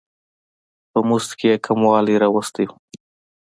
په مزد کې یې کموالی راوستی و.